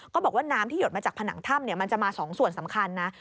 บอกว่าน้ำที่หยดมาจากผนังถ้ำมันจะมา๒ส่วนสำคัญนะ